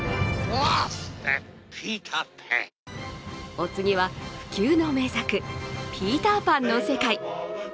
お次は、不朽の名作「ピーター・パン」の世界。